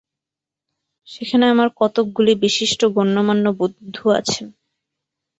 সেখানে আমার কতকগুলি বিশিষ্ট গণ্যমান্য বন্ধু আছেন।